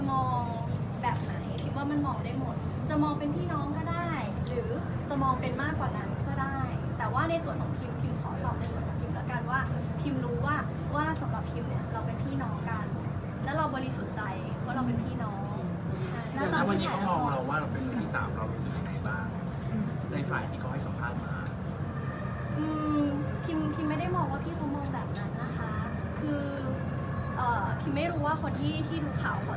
และเราบริสมใจว่าเราเป็นพี่น้อง